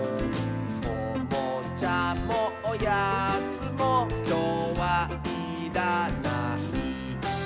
「おもちゃもおやつもきょうはいらない」